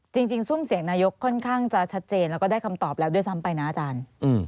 ซุ่มเสียงนายกค่อนข้างจะชัดเจนแล้วก็ได้คำตอบแล้วด้วยซ้ำไปนะอาจารย์